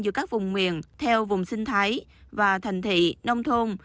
giữa các vùng miền theo vùng sinh thái và thành thị nông thôn